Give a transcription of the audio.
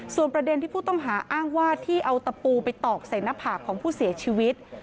ส่วนประเด็นที่ผู้ต้องหาอ้างว่าที่เอาตะปูไปตอกใส่หน้าผากของผู้เสียชีวิต